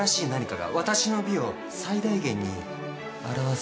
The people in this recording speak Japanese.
私の美を最大限に現す。